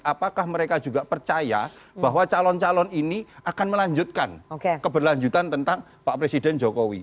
apakah mereka juga percaya bahwa calon calon ini akan melanjutkan keberlanjutan tentang pak presiden jokowi